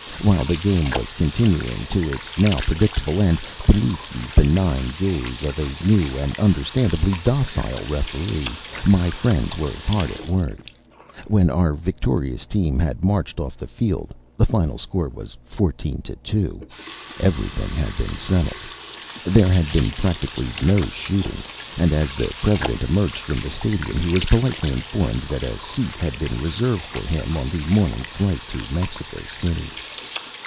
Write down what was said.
While the game was continuing to its now predictable end, beneath the be nign gaze of a new and under standably docile referee, my friends were hard at work. When our victorious team had marched off the field (the final score was 14 — 2), everything had been set tled. There had been practically no shooting, and as the President emerged from the stadium, he was politely informed that a seat had been reserved for him on the morning flight to Mexico City.